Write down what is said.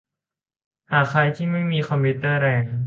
หากใครที่ไม่มีคอมพิวเตอร์แรง